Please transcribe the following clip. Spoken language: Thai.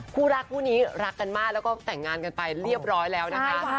คู่รักคู่นี้รักกันมากแล้วก็แต่งงานกันไปเรียบร้อยแล้วนะคะ